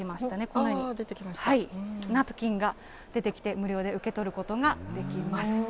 このようにナプキンが出てきて、無料で受け取ることができます。